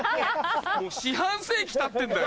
もう四半世紀たってんだよ？